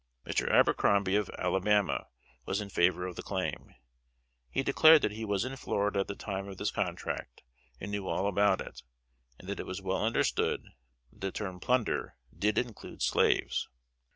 Mr. Abercrombie, of Alabama, was in favor of the claim. He declared that he was in Florida at the time of this contract, and knew all about it, and that it was well understood that the term "plunder" did include slaves.